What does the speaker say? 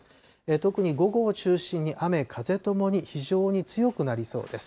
特に午後を中心に、雨風ともに非常に強くなりそうです。